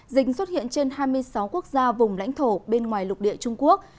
dịch xuất hiện trên hai mươi sáu quốc gia vùng lãnh thổ bên ngoài lục địa trung quốc